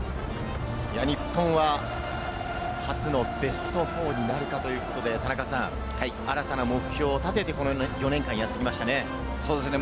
日本は初のベスト４になるかということで、新たな目標を立てて、４年間やってきましたね。